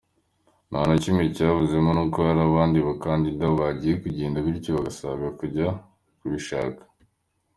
Nta na kimwe cyabuzemo nkuko hari abandi bakandida byagiye bigenda bityo bagasabwa kujya kubishaka.